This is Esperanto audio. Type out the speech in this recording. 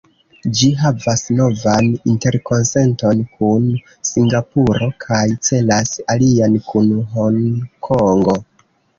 Ĝi havas novan interkonsenton kun Singapuro, kaj celas alian kun Honkongo.